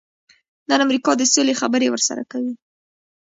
نن امریکا د سولې خبرې ورسره کوي.